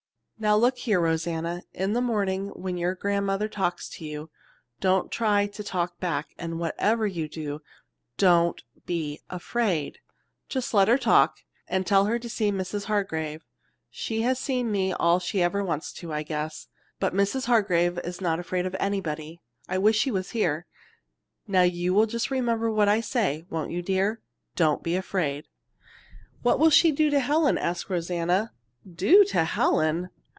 "Now look here, Rosanna. In the morning when your grandmother talks to you, don't try to talk back, and whatever you do, don't be afraid. Just let her talk, and tell her to see Mrs. Hargrave. She has seen me all she ever wants to, I guess, but Mrs. Hargrave is not afraid of anybody. I wish she was here. Now you will remember what I say, won't you, dear? Don't be afraid." "What will she do to Helen?" asked Rosanna. "Do to Helen?"